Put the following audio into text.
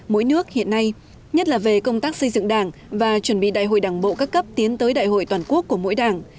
mỗi nước hiện nay nhất là về công tác xây dựng đảng và chuẩn bị đại hội đảng bộ các cấp tiến tới đại hội toàn quốc của mỗi đảng